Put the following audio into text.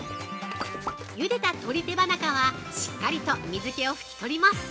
◆ゆでた鶏手羽中はしっかりと水気を拭きとります。